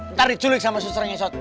ntar diculik sama susurnya sok